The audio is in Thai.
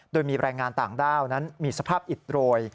โดยมีแรงงานต่างด้าวนั้นมีสภาพอิดโรย